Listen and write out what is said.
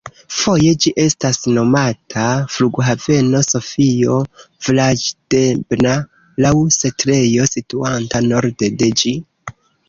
Foje ĝi estas nomata flughaveno Sofio-Vraĵdebna, laŭ setlejo situanta norde de ĝi.